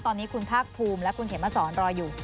ตอนนี้คุณภาคภูมิและคุณเขมสอนรออยู่